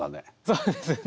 そうですね。